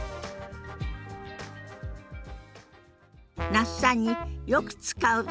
那須さんによく使う接客